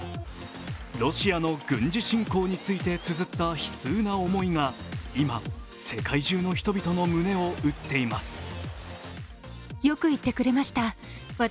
ロシアの軍事侵攻についてつづった悲痛な思いが今、世界中の人々の胸を打っています。